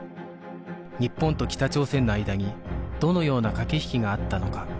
日本と北朝鮮の間にどのような駆け引きがあったのか